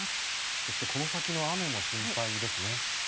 そしてこの先の雨も心配ですね。